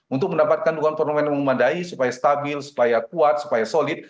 untuk mendapatkan dukungan fenomena memadai supaya stabil supaya kuat supaya solid